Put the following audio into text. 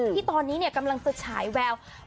ที่ตอนนี้เนี่ยกำลังเสือขายแวว